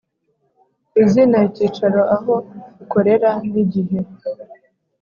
Izina icyicaro aho ukorera n igihe